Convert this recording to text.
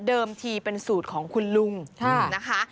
ทีเป็นสูตรของคุณลุงนะคะ